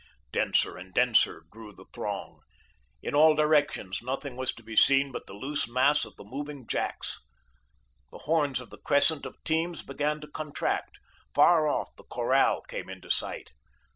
Denser and denser grew the throng. In all directions nothing was to be seen but the loose mass of the moving jacks. The horns of the crescent of teams began to contract. Far off the corral came into sight.